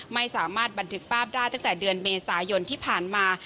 ไม่สามารถบันทึกภาพได้ตั้งแต่เดือนเมษายนที่ผ่านมา